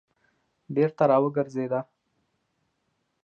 بېرته راوګرځېده.